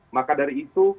maka dari itu